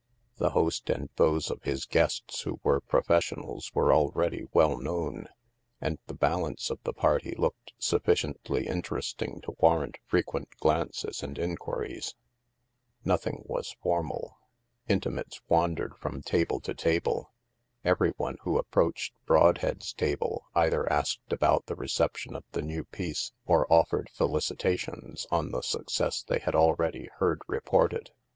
The host and those of his guests who were profes 3i8 THE MASK sionals were already well known, and the balance of the party looked sufficiently interesting to warrant frequent glances and inquiries. Nothing was formal Intimates wandered from table to table. Every one who approached Brod head's table either asked about the receptic«i of the new piece or offered felicitations on the success they had already heard reported.